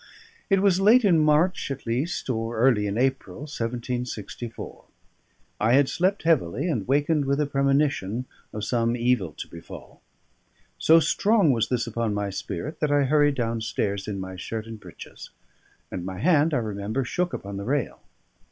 It was late in March at least, or early in April 1764. I had slept heavily, and wakened with a premonition of some evil to befall. So strong was this upon my spirit that I hurried downstairs in my shirt and breeches, and my hand (I remember) shook upon the rail.